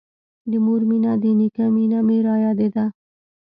د مور مينه د نيکه مينه مې رايادېده.